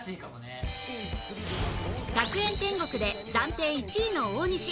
『学園天国』で暫定１位の大西